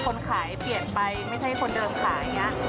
คนขายเปลี่ยนไปไม่ใช่คนเดิมขายอย่างนี้